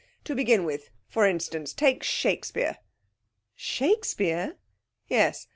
To begin with, for instance, take Shakespeare.' 'Shakespeare?' 'Yes.